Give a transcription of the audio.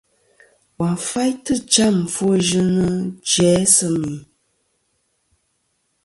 Va faytɨ cham ɨfwoyɨnɨ jæ sɨ mì.